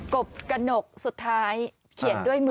กบกระหนกสุดท้ายเขียนด้วยมือ